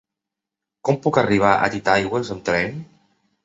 Com puc arribar a Titaigües amb tren?